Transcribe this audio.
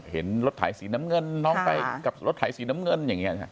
เห็นรถไถสีน้ำเงินน้องไปกับรถไถสีน้ำเงินอย่างนี้